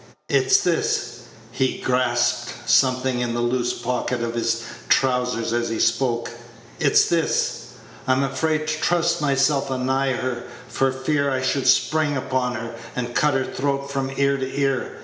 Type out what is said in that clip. It's this" he grasped something in the loose pocket of his trowsers as he spoke "it's this. I'm afraid to trust myself anigh her, for fear I should spring upon her, and cut her throat from ear to ear.